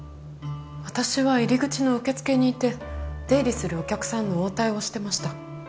私は入り口の受付にいて出入りするお客さんの応対をしてました。